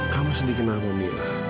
kamu sedih kenapa mila